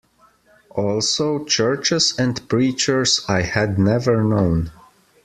Also, churches and preachers I had never known.